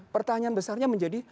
pertanyaan besarnya menjadi